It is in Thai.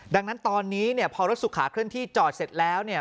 ดังนั้นตอนนี้เนี่ยพอรถสุขาเคลื่อนที่จอดเสร็จแล้วเนี่ย